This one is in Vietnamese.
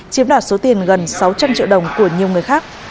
chiếm đoạt số tiền gần sáu trăm linh triệu đồng của nhiều người khác